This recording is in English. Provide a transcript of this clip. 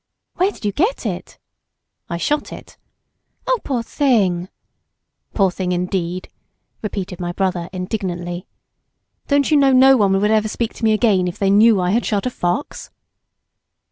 "Where did you get it?" "I shot it." "Oh, poor thing." "Poor thing indeed," repeated my, brother indignantly. "Don't you know no one would ever speak to me again if they knew I had shot a fox?"